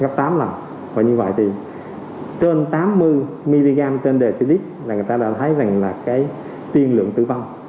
gấp tám lần và như vậy thì trên tám mươi mg trên đề sili là người ta đã thấy rằng là cái tiên lượng tử vong